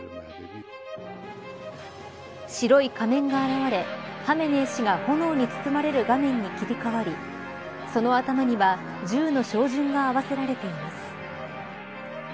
白い仮面が現れハメネイ師が炎に包まれる画面に切り替わりその頭には銃の照準が合わせられています。